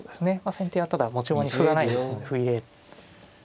先手はただ持ち駒に歩がないですので歩切れ。